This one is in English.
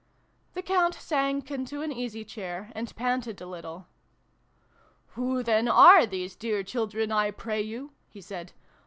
The Count sank into an easy chair, and panted a little. " Who then are these dear children, I pray you?" he said.